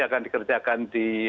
akan dikerjakan di